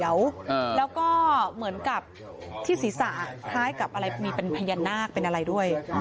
แล้วก็เหมือนกับที่ศีรษะคล้ายกับอะไรมีเป็นพญานาคเป็นอะไรด้วย